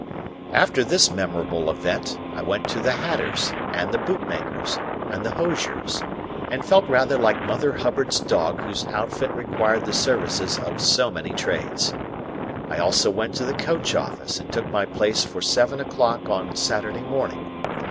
After this memorable event, I went to the hatter's, and the bootmaker's, and the hosier's, and felt rather like Mother Hubbard's dog whose outfit required the services of so many trades. I also went to the coach office and took my place for seven o'clock on Saturday morning.